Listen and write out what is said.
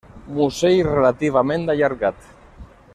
Musell relativament allargat.